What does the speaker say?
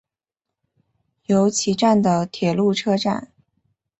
由岐站的铁路车站。